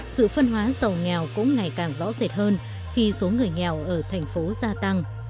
sự phân hóa giàu nghèo cũng ngày càng rõ rệt hơn khi số người nghèo ở thành phố gia tăng